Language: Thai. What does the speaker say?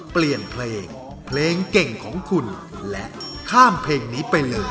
เปลี่ยนเพลงเพลงเก่งของคุณและข้ามเพลงนี้ไปเลย